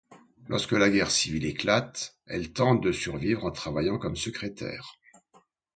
Lorsque la guerre civile éclate, elle tente de survivre en travaillant comme secrétaire.